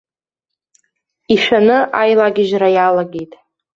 Ишәаны аилагьежьра иалагеит.